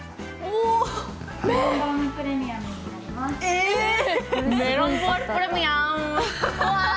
えっ！